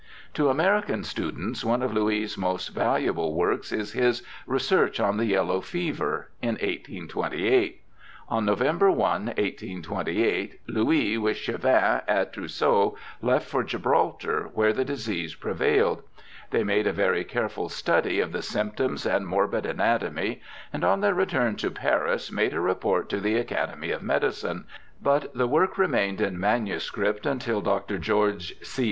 To American students one of Louis' most valuable works is his Research on the Yellow Fever in 1828. On November i, 1828, Louis, with Chervin and Trous seau, left for Gibraltar, where the disease prevailed. They made a very careful study of the symptoms and morbid anatomy, and on their return to Paris made a report to the Academy of Medicine, but the work remained in manuscript until Dr. Geo. C.